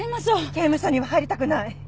刑務所には入りたくない！